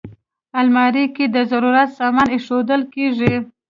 الماري کې د ضرورت سامان ایښودل کېږي